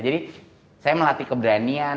jadi saya melatih keberanian